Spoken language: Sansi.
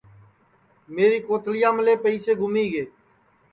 میری کوتھݪِیاملے پیئیسے گُمی گے